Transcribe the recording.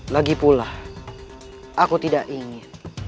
lagipula aku tidak ingin